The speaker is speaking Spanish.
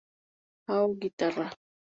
Ao, Guitarra.